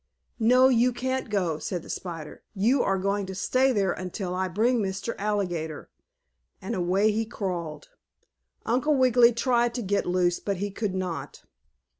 "No, you can't go!" said the spider. "You are going to stay there until I bring Mr. Alligator," and away he crawled. Uncle Wiggily tried to get loose, but he could not.